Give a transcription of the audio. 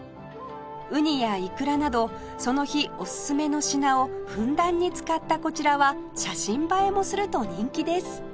ウニやいくらなどその日おすすめの品をふんだんに使ったこちらは写真映えもすると人気です